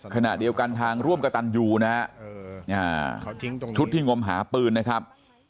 ขณะเดียวกันทางร่วมกระตันยูนะฮะชุดที่งมหาปืนนะครับ